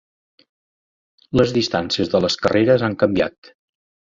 Les distàncies de les carreres han canviat.